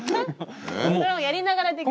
それはやりながらできる。